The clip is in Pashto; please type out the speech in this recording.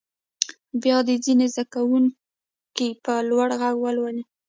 بیا دې ځینې زده کوونکي په لوړ غږ ولولي.